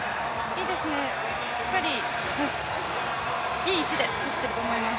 いい位置で走っていると思います。